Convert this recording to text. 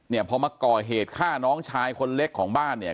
พอมาก่อเหตุฆ่าน้องชายคนเล็กของบ้านเนี่ย